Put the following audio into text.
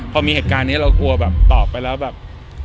ถ้ามีเหตุการณ์นี้เรากลัวตอบไปแล้ว